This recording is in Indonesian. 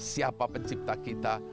siapa pencipta kita